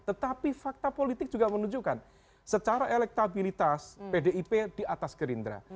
tetapi fakta politik juga menunjukkan secara elektabilitas pdip di atas gerindra